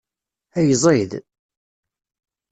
Ay ẓid!